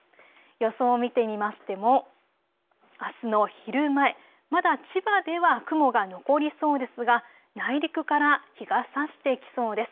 予想を見てみましてもあすの昼前、まだ千葉では雲が残りそうですが内陸から日がさしてきそうです。